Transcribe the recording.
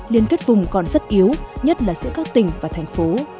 liên kết vùng còn rất yếu nhất là giữa các tỉnh và thành phố